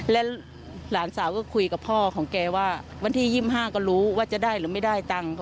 และหลานสาวก็คุยกับพ่อของแกว่าวันที่๒๕ก็รู้ว่าจะได้หรือไม่ได้ตังค์